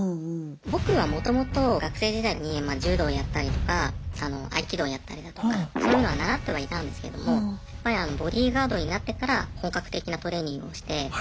僕はもともと学生時代にまあ柔道やったりとか合気道やったりだとかそういうのは習ってはいたんですけどもやっぱりボディーガードになってから本格的なトレーニングをして。